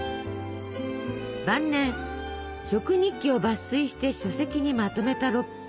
晩年食日記を抜粋して書籍にまとめたロッパ。